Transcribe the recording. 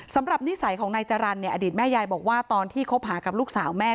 นิสัยของนายจรรย์เนี่ยอดีตแม่ยายบอกว่าตอนที่คบหากับลูกสาวแม่